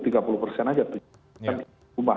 jarak rentang antara